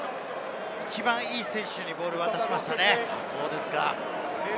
一番いい選手にボールを渡しましたね。